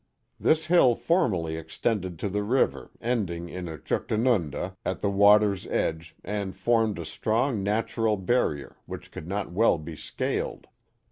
This hill formerly extended to the river, end ing in a juchtanunda at the water's edge and formed a strong natural barrier, which could not well be scaled.